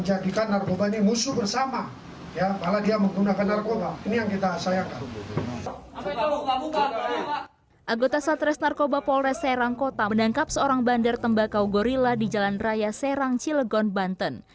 agota satres narkoba polresta serangkota menangkap seorang bandar tembakau gorila di jalan raya serang cilegon banten